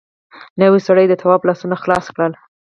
نوي سړي د تواب لاسونه خلاص کړل.